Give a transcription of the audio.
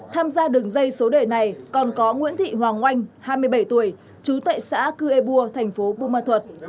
tham gia đường dây số đề này còn có nguyễn thị hoàng oanh hai mươi bảy tuổi chú tệ xã cư ê bua tp bùn ma thuật